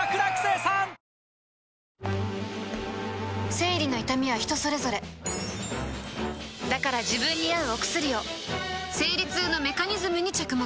生理の痛みは人それぞれだから自分に合うお薬を生理痛のメカニズムに着目